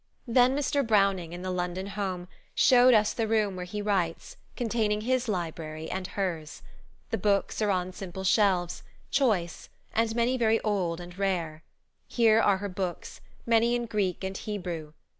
Then Mr. Browning, in the London home, showed us the room where he writes, containing his library and hers. The books are on simple shelves, choice, and many very old and rare. Here are her books, many in Greek and Hebrew.